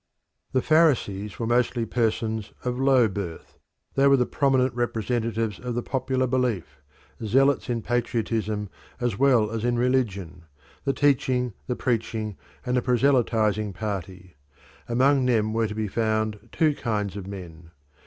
The Pharisees were mostly persons of low birth. They were the prominent representatives of the popular belief, zealots in patriotism as well as in religion the teaching, the preaching, and the proselytising party. Among them were to be found two kinds of men.